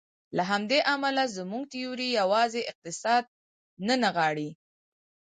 له همدې امله زموږ تیوري یوازې اقتصاد نه نغاړي.